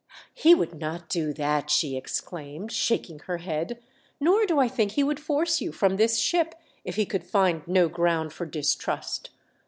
" He would not do that," she exclaimed, shaking her head ;" nor do I think he would force you from this ship if he could find no ground for distrust.